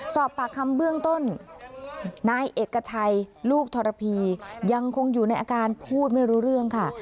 สอบปากคำเบื้องต้นนายเอกชัยลูกธรพียังคงอยู่ในอาการพูดไม่รู้เรื่องค่ะ